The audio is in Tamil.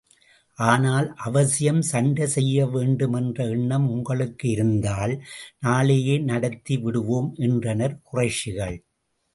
ஆனால், அவசியம் சண்டை செய்ய வேண்டும் என்ற எண்ணம் உங்களுக்கு இருந்தால், நாளையே நடத்தி விடுவோம் என்றனர் குறைஷிகள்.